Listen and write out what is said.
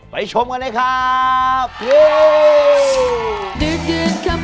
ชมกันเลยครับ